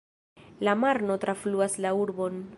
La Marno trafluas la urbon.